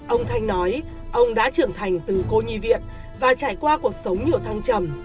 ông thanh nói ông đã trưởng thành từ cô nhi viện và trải qua cuộc sống nhiều thăng trầm